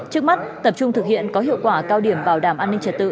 trước mắt tập trung thực hiện có hiệu quả cao điểm bảo đảm an ninh trật tự